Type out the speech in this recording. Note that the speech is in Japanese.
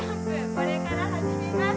これから始めます。